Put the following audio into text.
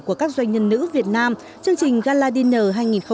của các doanh nhân nữ việt nam chương trình gala dinner